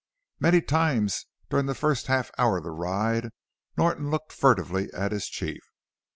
Many times during the first half hour of the ride Norton looked furtively at his chief.